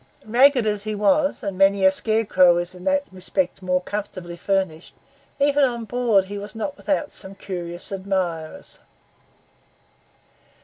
Ragged as he was, and many a scarecrow is in that respect more comfortably furnished, even on board he was not without some curious admirers.